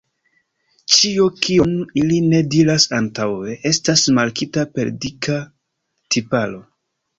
Ĉio, kion ili ne diris antaŭe, estas markita per dika tiparo.